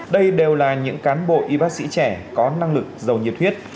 đây đều là những cán bộ y bác sĩ trẻ có năng lực giàu nhiệt huyết